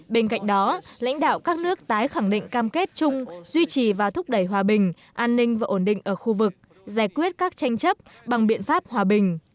bên cạnh đó lãnh đạo các nước tái khẳng định cam kết chung duy trì và thúc đẩy hòa bình an ninh và ổn định ở khu vực giải quyết các tranh chấp bằng biện pháp hòa bình